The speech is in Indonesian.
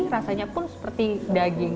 rasanya pun seperti daging